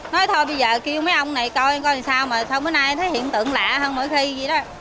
nói thôi bây giờ kêu mấy ông này coi coi sao mà sao bữa nay thấy hiện tượng lạ hơn mỗi khi vậy đó